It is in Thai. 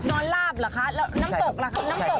นอนลาบเหรอคะแล้วน้ำตกละครับน้ำตกละครับ